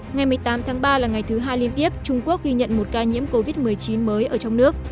ngày một mươi tám tháng ba là ngày thứ hai liên tiếp trung quốc ghi nhận một ca nhiễm covid một mươi chín mới ở trong nước